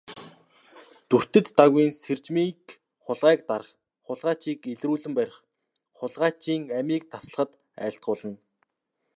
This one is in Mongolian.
Дүртэд Дагвын сэржмийг хулгайг дарах, хулгайчийг илрүүлэн барих, хулгайчийн амийг таслахад айлтгуулна.